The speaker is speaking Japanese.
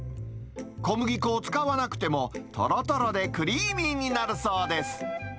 小麦粉を使わなくても、とろとろでクリーミーになるそうです。